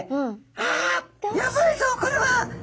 「あやばいぞこれは！